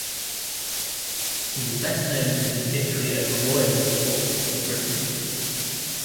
He is best known for his victory over Royalist forces in Brittany.